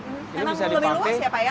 memang lebih luas ya pak ya